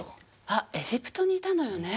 あっエジプトにいたのよね。